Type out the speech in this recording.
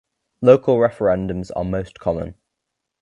Local referendums are most common.